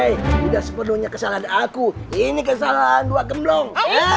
tidak sepenuhnya kesalahan aku ini kesalahan dua gemblong